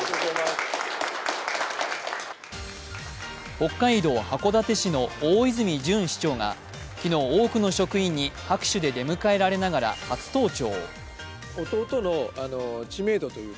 北海道函館市の大泉潤市長が多くの職員に拍手で出迎えられながら初登庁。